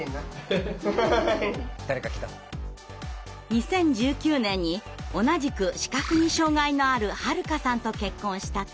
２０１９年に同じく視覚に障害のある遥さんと結婚した谷口さん。